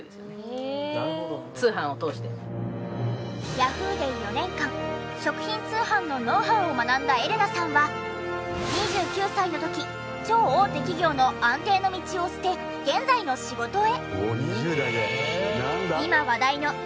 ヤフーで４年間食品通販のノウハウを学んだエレナさんは２９歳の時超大手企業の安定の道を捨て現在の仕事へ。